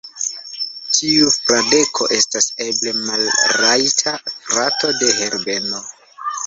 Tiu Fradeko estas eble malrajta frato de Herbeno.